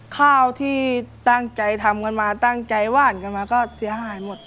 ข้าวที่ตั้งใจทำกันมาตั้งใจหวานกันมาก็เสียหายหมด